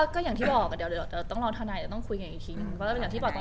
ก็อย่างที่บอกเดี๋ยวต้องรอทนายจะต้องคุยกันอีกทีหนึ่ง